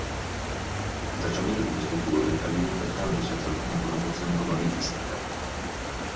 Il tracciamento di queste curve avviene pertanto senza alcuna connotazione probabilistica.